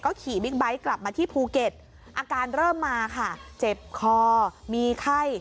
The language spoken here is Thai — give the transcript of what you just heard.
ขี่บิ๊กไบท์กลับมาที่ภูเก็ตอาการเริ่มมาค่ะเจ็บคอมีไข้